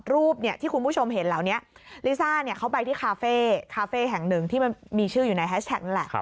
รูปที่คุณผู้ชมเห็นเหล่านี้ลิซ่าเขาไปที่คาเฟ่คาเฟ่แห่งหนึ่งที่มันมีชื่ออยู่ในแฮชแท็กนั่นแหละ